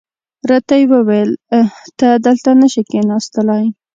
راته یې وویل ته دلته نه شې کېناستلای.